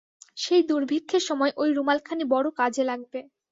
সেই দুর্ভিক্ষের সময় ঐ রুমালখানি বড়ো কাজে লাগবে।